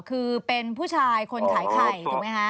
คือเป็นผู้ชายคนขายไข่ถูกไหมคะ